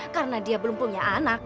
karena dia belum punya anak